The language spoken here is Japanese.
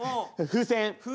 風船？